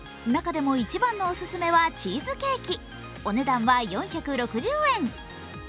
中でも一番のオススメはチーズケーキ、お値段は４６０円。